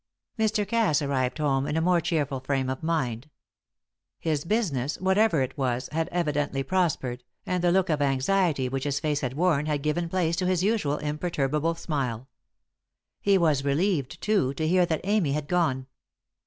Mr. Cass arrived home in a more cheerful frame of mind. His business, whatever it was, had evidently prospered, and the look of anxiety which his face had worn had given place to his usual imperturbable smile. He was relieved, too, to hear that Amy had gone.